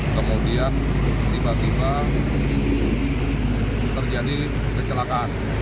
kemudian tiba tiba terjadi kecelakaan